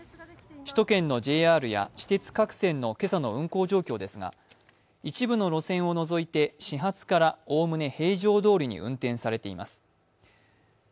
首都圏のＪＲや私鉄各線の、今朝の運行状況ですが一部の路線を除いて始発からおおむね平常どおりに運転されています。